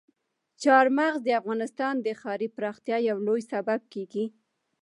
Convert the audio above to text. چار مغز د افغانستان د ښاري پراختیا یو لوی سبب کېږي.